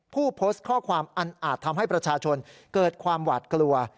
ผู้โพสต์ข้อความอันอาจทำให้ประชาชนเกิดความหวาดกลัว